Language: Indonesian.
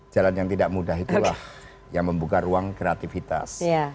jalan yang tidak mudah itulah yang membuka ruang kreativitas